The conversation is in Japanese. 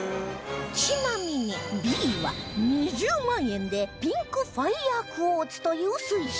ちなみに Ｂ は２０万円でピンクファイアクォーツという水晶